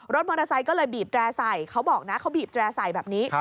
รถมอเตอร์ไซค์ก็เลยบีบแร่ใส่เขาบอกนะเขาบีบแตร่ใส่แบบนี้